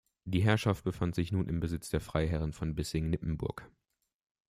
Die Herrschaft befand sich nun im Besitz der Freiherren von Bissingen-Nippenburg.